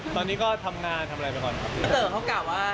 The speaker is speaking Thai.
ไม่ถึงว่า